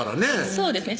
そうですね